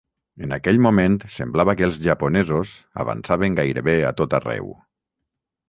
En aquell moment semblava que els japonesos avançaven gairebé a tot arreu.